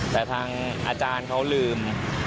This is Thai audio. แต่ทางอาจารย์เขาลืม